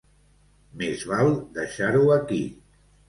Més val deixar-ho aquí.